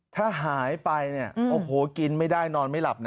ถ้าหายไปเนี่ยโอ้โหกินไม่ได้นอนไม่หลับนะ